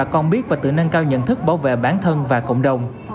con biết và tự nâng cao nhận thức bảo vệ bản thân và cộng đồng